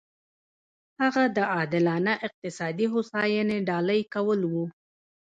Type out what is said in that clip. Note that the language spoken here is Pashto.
هغه د عادلانه اقتصادي هوساینې ډالۍ کول و.